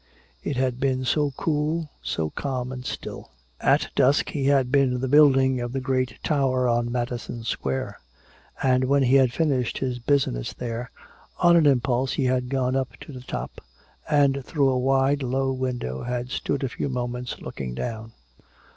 It had been so cool, so calm and still. At dusk he had been in the building of the great tower on Madison Square; and when he had finished his business there, on an impulse he had gone up to the top, and through a wide low window had stood a few moments looking down.